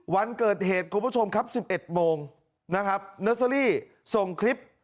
วันเกิดเหตุคุณผู้ชมครับ๑๑โมงนะครับเนอร์เซอรี่ส่งคลิป